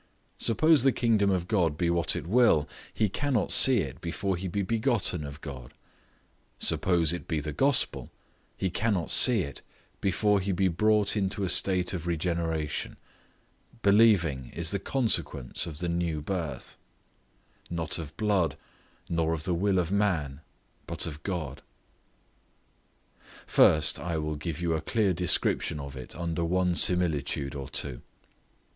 Suppose the kingdom of God be what it will, he cannot see it before he be begotten of God; suppose it be the Gospel, he cannot see it before he be brought into a state of regeneration; believing is the consequence of the new birth, "not of blood, nor of the will of man, but of God." First, I will give you a clear description of it under one similitude or two.